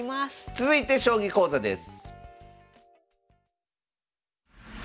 続いて将棋講座です。